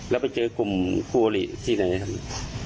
แล้วไปเจอกลุ่มคู่อลิที่ไหนครับ